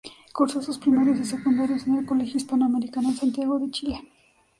Cursó sus primarios y secundarios en el Colegio Hispano Americano, en Santiago de Chile.